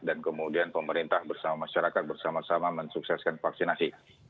dan kemudian pemerintah bersama masyarakat bersama sama mensukseskan vaksinasi